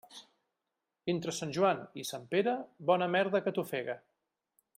Entre Sant Joan i Sant Pere, bona merda que t'ofegue.